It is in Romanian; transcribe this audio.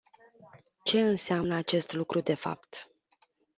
Ce înseamnă acest lucru de fapt?